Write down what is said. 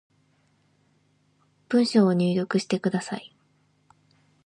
文章を入力してください